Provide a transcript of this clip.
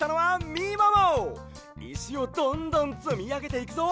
いしをどんどんつみあげていくぞ！